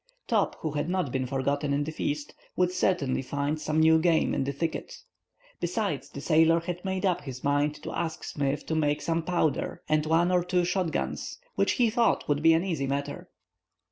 Top, who had not been forgotten in the feast, would certainly find some new game in the thicket. Besides, the sailor had made up his mind to ask Smith to make some powder and one or two shot guns, which, he thought, would be an easy matter.